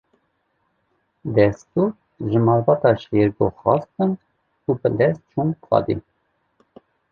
Destûr ji malbata Şêrgo xwestin û bi lez çûn qadê.